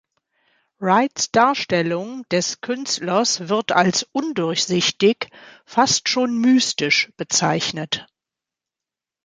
Wrights Darstellung des Künstlers wird als „undurchsichtig“, fast schon „mystisch“ bezeichnet.